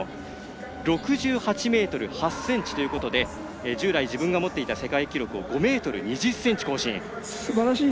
６８ｍ８ｃｍということで従来自分が持っていた世界記録を５ｍ２０ｃｍ更新。